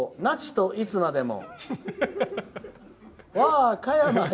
那智といつまでも」。